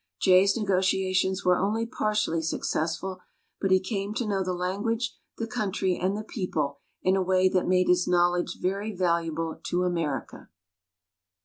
Jay's negotiations were only partially successful, but he came to know the language, the country and the people in a way that made his knowledge very valuable to America.